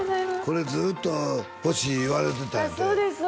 これずっと欲しい言われてたんやってそうです